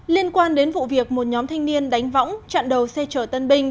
liên quan đến vụ việc một nhóm thanh niên đánh võng chặn đầu xe chở tân binh